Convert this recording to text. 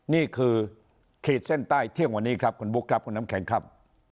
นี่คือขีดเส้นใต้เที่ยงวันนี้ครับคุณบุ๊คครับคุณน้ำแข็งครับ